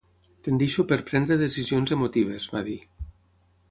"Tendeixo per prendre decisions emotives", va dir.